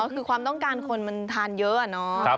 คือความต้องการคนมันทานเยอะอะเนาะ